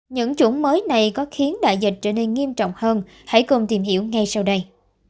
những chủng mới này có khiến đại dịch trở nên nghiêm trọng hơn hãy cùng tìm hiểu ngay sau đây